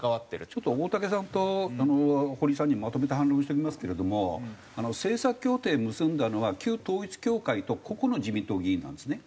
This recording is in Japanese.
ちょっと大竹さんと堀さんにまとめて反論しときますけれども政策協定結んだのは旧統一教会と個々の自民党議員なんですね。